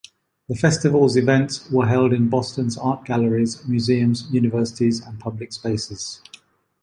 The festival's events were held in Boston's art galleries, museums, universities, and public spaces.